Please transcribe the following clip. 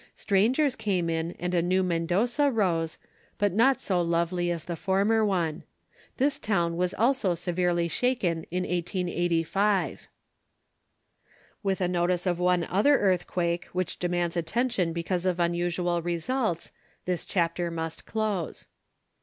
Strangers came in and a new Mendoza rose, but not so lovely as the former one. This town was also severely shaken in 1885. With a notice of one other earthquake, which demands attention because of unusual results, this chapter must close.